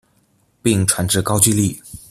并传至高句丽。